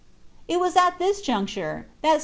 It was at this juncture that Si.